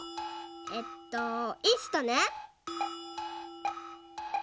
えっと「イースト」ね。